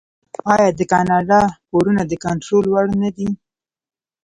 آیا د کاناډا پورونه د کنټرول وړ نه دي؟